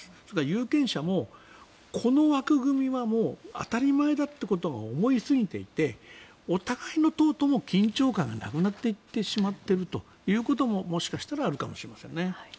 それから有権者も、この枠組みはもう当たり前だということを思いすぎていてお互いの党とも緊張感がなくなっていってしまっているということももしかしたらあるのかもしれませんね。